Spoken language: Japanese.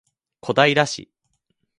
小平市